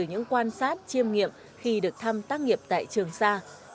với những quan sát chiêm nghiệm khi được thăm tác nghiệp tại trường xa